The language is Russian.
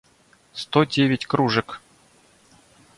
сто девять кружек